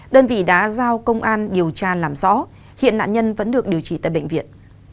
đơn vị đã giao công an điều tra làm rõ hiện nạn nhân vẫn được điều trị tại bệnh viện